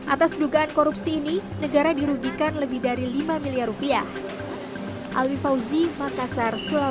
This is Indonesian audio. atas dugaan korupsi ini negara dirugikan lebih dari lima miliar rupiah